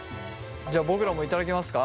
じゃあ僕らも頂きますか？